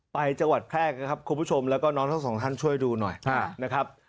จังหวัดแพร่นะครับคุณผู้ชมแล้วก็น้องทั้งสองท่านช่วยดูหน่อยนะครับ